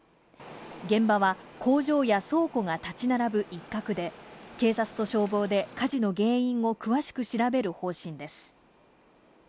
現場は工場や倉庫が立ち並ぶ一角で、警察と消防で火事の原因を詳しく調べる方針です。